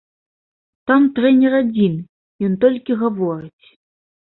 Там трэнер адзін, ён толькі гаворыць.